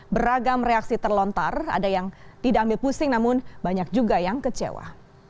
beragam reaksi terlontar ada yang tidak ambil pusing namun banyak juga yang kecewa